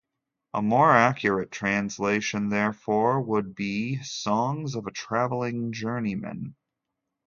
A more accurate translation, therefore, would be "Songs of a Travelling Journeyman".